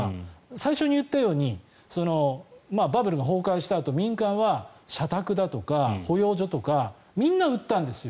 最初に言ったようにバブルが崩壊したあと民間は社宅だとか保養所とかみんな売ったんですよ。